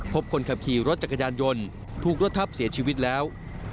พบคนขับขี่รถจักรยานยนต์ถูกรถทับเสียชีวิตแล้ว